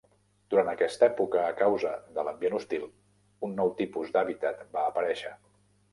Durant aquesta època a causa de l'ambient hostil, un nou tipus d'hàbitat va parèixer.